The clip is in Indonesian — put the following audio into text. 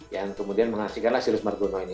yang kemudian mengasihkanlah cyrus margono ini